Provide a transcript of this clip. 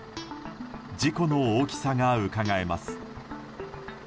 事故の大きさがうかがえます。